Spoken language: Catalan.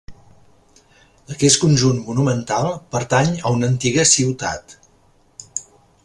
Aquest conjunt monumental pertany a una antiga ciutat.